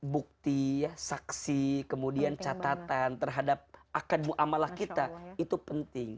bukti ya saksi kemudian catatan terhadap akan mu'amalah kita itu penting